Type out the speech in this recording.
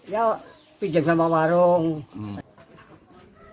ya pinjam sama warung